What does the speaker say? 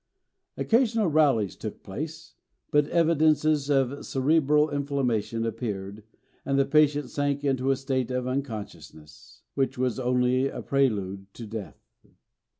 Occasional rallies took place; but evidences of cerebral inflammation appeared, and the patient sank into a state of unconsciousness, which was only a prelude to death.